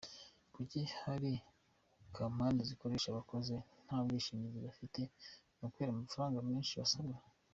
Kuki hari Kampani zikoresha abakozi nta bwishingizi bafite, ni ukubera amafaranga menshi basabwa? .